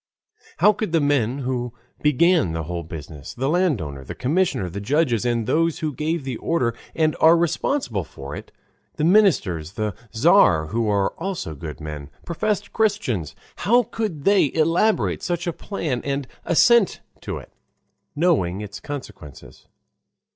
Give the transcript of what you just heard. How could the men who began the whole business, the landowner, the commissioner, the judges, and those who gave the order and are responsible for it, the ministers, the Tzar, who are also good men, professed Christians, how could they elaborate such a plan and assent to it, knowing its consequences?